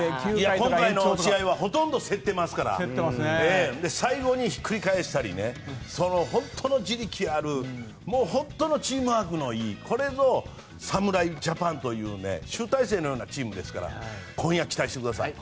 今回の試合はほとんど競っていますから最後にひっくり返したり本当に自力があるもう本当にチームワークのいいこれぞ侍ジャパンという集大成のようなチームですから今夜、期待してください。